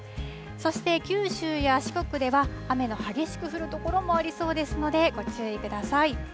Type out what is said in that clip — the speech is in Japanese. そして九州や四国では、雨の激しく降る所がありそうですので、ご注意ください。